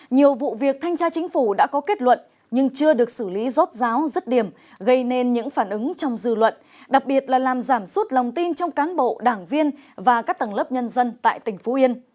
nhiều vụ việc thanh tra chính phủ đã có kết luận nhưng chưa được xử lý rốt ráo rứt điểm gây nên những phản ứng trong dư luận đặc biệt là làm giảm suốt lòng tin trong cán bộ đảng viên và các tầng lớp nhân dân tại tỉnh phú yên